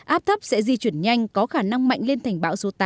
áp thấp sẽ di chuyển nhanh có khả năng mạnh lên thành bão số tám